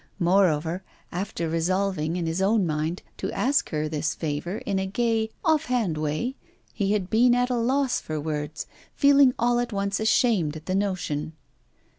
Moreover, after resolving in his own mind to ask her this favour in a gay, off hand way, he had been at a loss for words, feeling all at once ashamed at the notion.